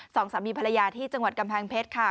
สองสามีภรรยาที่จังหวัดกำแพงเพชรค่ะ